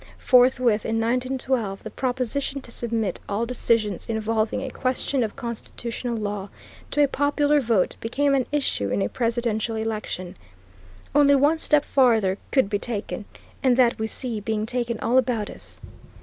Forthwith, in 1912, the proposition to submit all decisions involving a question of constitutional law to a popular vote became an issue in a presidential election. Only one step farther could be taken, and that we see being taken all about us.